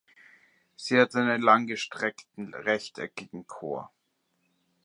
Sie hat einen langgestreckten rechteckigen Chor.